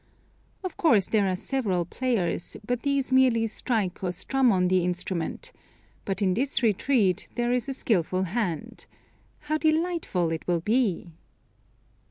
Of course there are several players, but these merely strike or strum on the instrument; but in this retreat there is a skilful hand. How delightful it will be."